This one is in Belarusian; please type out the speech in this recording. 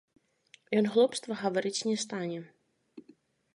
Ён глупства гаварыць не стане.